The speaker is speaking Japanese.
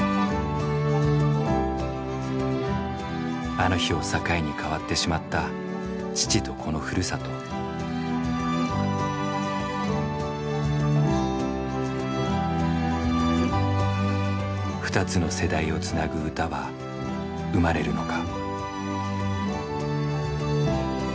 あの日を境に変わってしまった二つの世代をつなぐ歌は生まれるのか。